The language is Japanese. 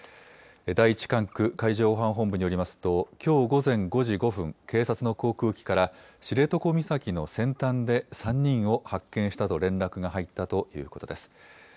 第１管区海上保安本部によりますと、きょう午前５時５分、警察の航空機から知床岬の先端で３人を発見したと連絡が入ったということです。